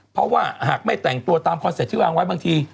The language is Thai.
เพราะว่าหากไม่แต่งตัวตามคอนเซ็ปต์ที่วางไว้บางที